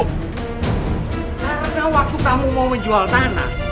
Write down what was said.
karena waktu kamu mau menjual tanah